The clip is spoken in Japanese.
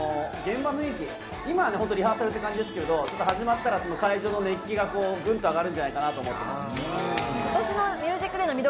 今はリハーサルって感じですけど、始まったら会場の熱気がぐっと上がるんじゃないかなと思ってます。